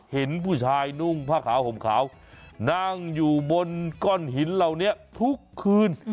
เห็นผู้ชายนุ่งผ้าขาวห่มขาวนั่งอยู่บนก้อนหินเหล่านี้ทุกคืน